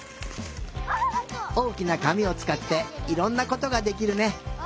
おおきなかみをつかっていろんなことができるね。